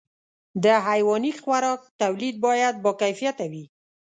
د حيواني خوراک توليد باید باکیفیته وي.